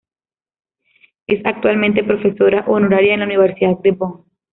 Es actualmente profesora honoraria en la Universidad de Bonn.